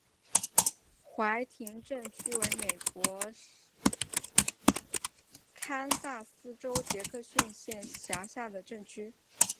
怀廷镇区为美国堪萨斯州杰克逊县辖下的镇区。